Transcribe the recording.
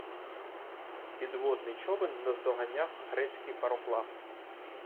Підводний човен наздоганяв грецький пароплав.